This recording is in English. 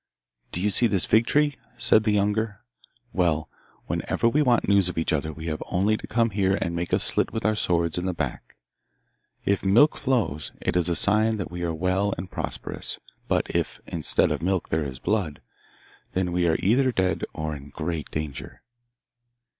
'Do you see this fig tree?' said the younger. 'Well, whenever we want news of each other we have only to come here and make a slit with our swords in the back. If milk flows, it is a sign that we are well and prosperous; but if, instead of milk, there is blood, then we are either dead or in great danger.